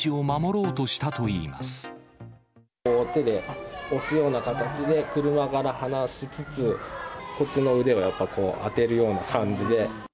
こう、手で押すような形で、車から離しつつ、こっちの腕をやっぱ当てるような感じで。